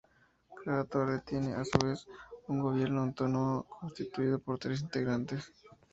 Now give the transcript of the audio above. Cada torre tiene, a su vez, un gobierno autónomo, constituido por tres integrantes.